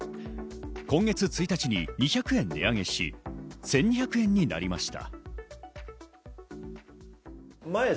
今月１日に２００円値上げし、１２００円になりました。